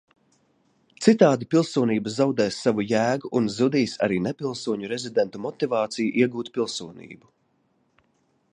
Citādi pilsonība zaudēs savu jēgu, un zudīs arī nepilsoņu rezidentu motivācija iegūt pilsonību.